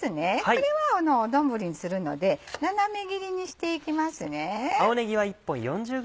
これは丼にするので斜め切りにしていきますね。